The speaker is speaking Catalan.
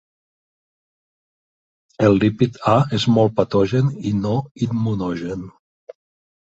El lípid A és molt patogen i no immunogen.